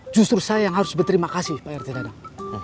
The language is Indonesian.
justru saya yang harus berterima kasih pak rt danang